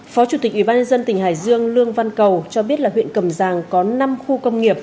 phó chủ tịch ubnd tỉnh hải dương lương văn cầu cho biết là huyện cẩm giàng có năm khu công nghiệp